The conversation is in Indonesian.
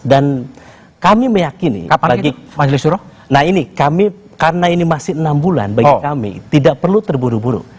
dan kami meyakini karena ini masih enam bulan bagi kami tidak perlu terburu buru